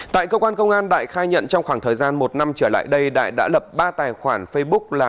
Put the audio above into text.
tại cơ quan công an đại khai nhận trong khoảng thời gian một năm trở lại đây đại đã lập ba tài khoản facebook là